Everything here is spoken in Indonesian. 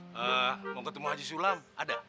kalau mau ketemu haji sulam ada